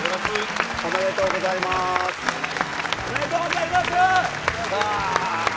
おめでとうございます。